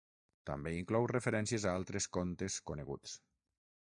També inclou referències a altres contes coneguts.